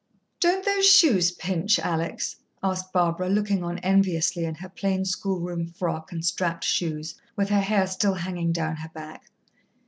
"Don't those shoes pinch, Alex?" asked Barbara, looking on enviously in her plain schoolroom frock and strapped shoes, with her hair still hanging down her back.